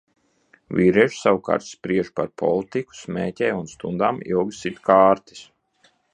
Vīrieši savukārt spriež par politiku, smēķē un stundām ilgi sit kārtis.